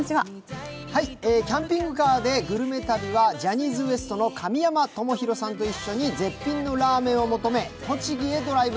キャンピングカーでグルメ旅はジャニーズＷＥＳＴの神山智洋さんとともに絶品のラーメンを求め栃木でドライブ。